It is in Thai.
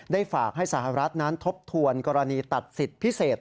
ฝากให้สหรัฐนั้นทบทวนกรณีตัดสิทธิ์พิเศษ